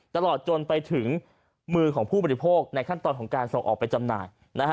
ตลอดจนไปถึงมือของผู้บริโภคในขั้นตอนของการส่งออกไปจำหน่าย